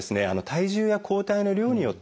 体重や抗体の量によってですね